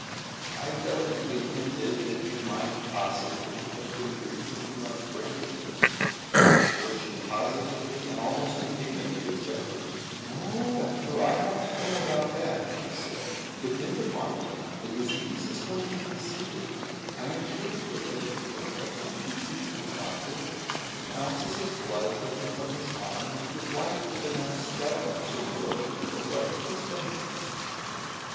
I delicately hinted that he might, possibly, have been drinking too much brandy; but to this she positively and almost indignantly objected. "No, doctor; I ought to know about that," she said. "Depend upon it, the disease is more deeply seated. I am sure he had better be bled. Won't you bleed him, doctor? A few ounces of blood taken from his arm may give life to the now stagnant circulation of the blood in his veins."